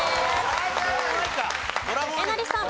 えなりさん。